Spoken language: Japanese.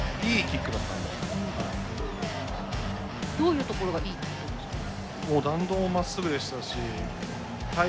どういうところがいいキックなんですか。